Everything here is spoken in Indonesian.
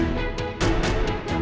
ngapain mama kesini